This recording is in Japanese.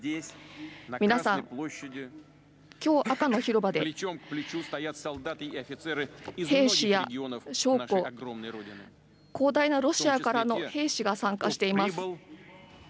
皆さん、きょう赤の広場で兵士や将校、広大なロシアからの兵士が参加しています。